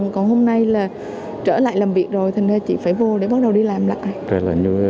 còn hôm nay là trở lại làm việc rồi thành nên chị phải vô để bắt đầu đi làm lại